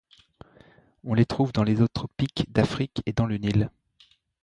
On les trouve dans les eaux tropiques d'Afrique et dans le Nil.